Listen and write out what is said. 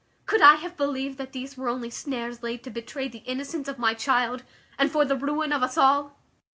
Could I have believed that these were only snares laid to betray the innocence of my child, and for the ruin of us all?"